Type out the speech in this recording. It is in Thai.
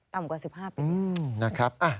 ต่ำกว่า๑๕ปี